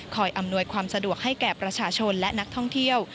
อำนวยความสะดวกให้แก่ประชาชนและนักท่องเที่ยว